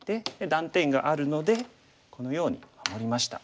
断点があるのでこのように守りました。